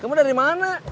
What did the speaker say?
kamu dari mana